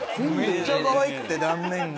めっちゃかわいくて断面が。